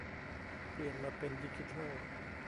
เปลี่ยนมาเป็นดิจิทัล